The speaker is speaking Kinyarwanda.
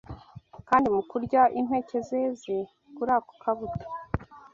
kandi mu kurya impeke zeze kuri ako kabuto